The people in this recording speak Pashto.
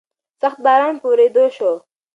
سخت باران په ورېدو شو.